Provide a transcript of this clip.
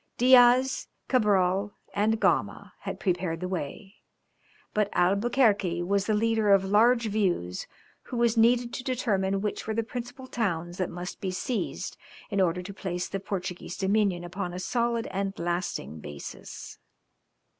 Diaz, Cabral, and Gama, had prepared the way, but Albuquerque was the leader of large views who was needed to determine which were the principal towns that must be seized in order to place the Portuguese dominion upon a solid and lasting basis.